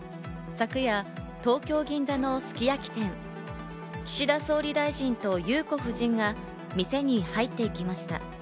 昨夜、東京・銀座のすき焼き店、岸田総理大臣と裕子夫人が店に入っていきました。